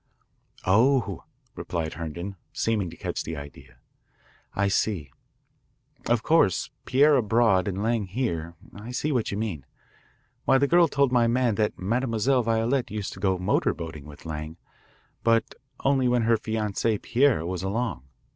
"Oh," replied Herndon, seeming to catch the idea. "I see. Of course Pierre abroad and Lang here. I see what you mean. Why, the girl told my man that Mademoiselle Violette used to go motor boating with Lang, but only when her fianc=82, Pierre, was along.